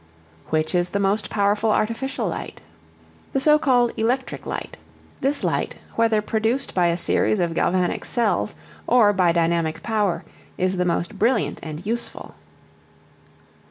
Which is the most powerful artificial light? The so called Electric light. This light, whether produced by a series of galvanic cells or by dynamic power, is the most brilliant and useful.